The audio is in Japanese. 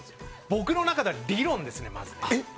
僕の中では理論ですね、まず。